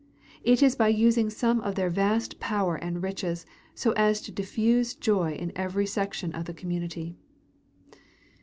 It is by using some of their vast power and riches so as to diffuse joy in every section of the community.